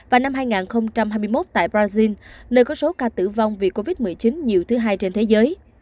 và năm hai nghìn hai mươi một tại brazil nơi có số ca tử vong vì covid một mươi chín nhiều thứ hai trên thế giới